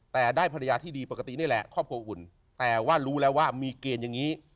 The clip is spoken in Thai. แต่ได้ภรรยาที่ดีปกตินี่แหละครอบครัวอุ่นแต่ว่ารู้แล้วว่ามีเกณฑ์อย่างนี้